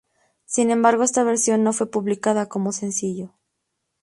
Sin embargo esta versión no fue publicada como sencillo.